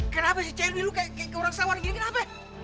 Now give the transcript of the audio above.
kenapa celbi lu kayak keurang sawan gini kenapa